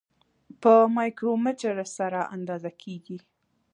په مایکرومتر سره اندازه کیږي.